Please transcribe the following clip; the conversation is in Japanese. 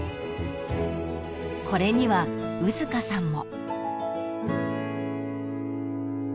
［これには兎束さんも］